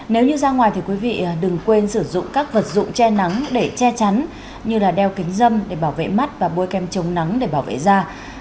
nếu như ra ngoài thì quý vị đừng quên sử dụng các vật dụng che nắng để che chắn như là đeo kính dâm để bảo vệ mắt và bôi kem chống nắng để bảo vệ da